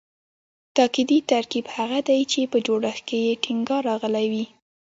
تاکیدي ترکیب هغه دﺉ، چي په جوړښت کښي ئې ټینګار راغلی یي.